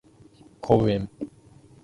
公園